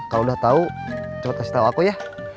kalo udah tau cepet kasih tau aku ya